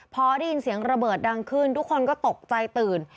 พอได้ยินเสียงระเบิดดังขึ้นทุกคนก็ตกใจตื่น